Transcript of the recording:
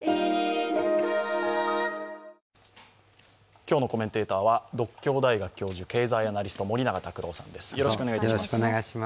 今日のコメンテーターは獨協大学教授、経済アナリスト、森永卓郎さんです。